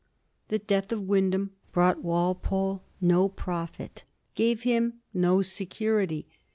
The death of Wyndham brought Walpole no profit ; gave him no security.